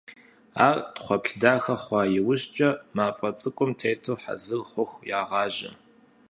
Ар тхъуэплъ дахэ хъуа иужькӀэ, мафӀэ цӀыкӀум тету хьэзыр хъуху ягъажьэ.